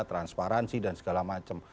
transparansi dan segala macam